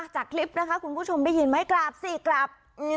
จากคลิปนะคะคุณผู้ชมได้ยินไหมกลับสิกลับ